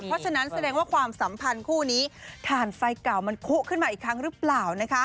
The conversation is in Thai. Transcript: เพราะฉะนั้นแสดงว่าความสัมพันธ์คู่นี้ถ่านไฟเก่ามันคุขึ้นมาอีกครั้งหรือเปล่านะคะ